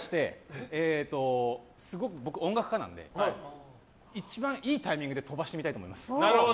僕、音楽家なので一番いいタイミングで飛ばしてみたいと思います。